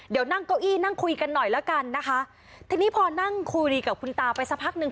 เดี๋ยวนั่งเก้าอี้นั่งคุยกันหน่อยแล้วกันนะคะทีนี้พอนั่งคุยกับคุณตาไปสักพักหนึ่ง